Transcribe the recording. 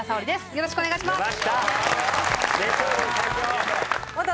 よろしくお願いします。